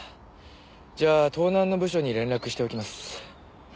じゃあ盗難の部署に連絡しておきます。